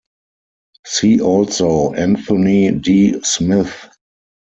See also Anthony D Smith.